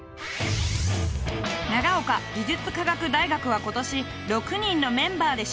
長岡技術科学大学は今年６人のメンバーで勝負。